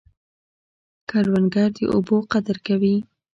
کروندګر د اوبو قدر کوي